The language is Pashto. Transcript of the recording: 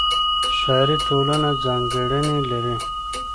ښاري ټولنه ځانګړنې لري.